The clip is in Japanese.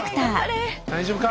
大丈夫か？